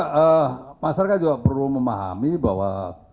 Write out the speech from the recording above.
ya masyarakat juga perlu memahami bahwa